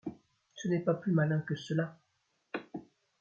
Ce n’est pas plus malin que cela !